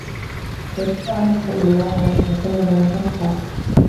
وَرُوِيَ عَنْهُ صَلَّى اللَّهُ عَلَيْهِ وَسَلَّمَ أَنَّهُ قَالَ